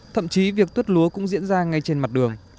thậm chí việc tuất lúa cũng diễn ra ngay trên mặt đường